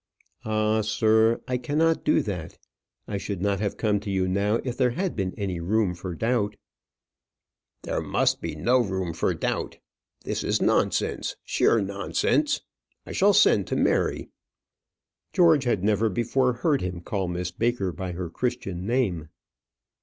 "Ah, sir, I cannot do that. I should not have come to you now if there had been any room for doubt." "There must be no room for doubt. This is nonsense; sheer nonsense. I shall send to Mary." George had never before heard him call Miss Baker by her Christian name.